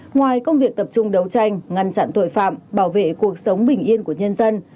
ngoài công việc tập trung đấu tranh ngăn chặn tội phạm bảo vệ cuộc sống bình yên của nhân dân